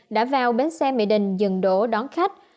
đã vào bến xe mỹ đình dừng đổ đón khách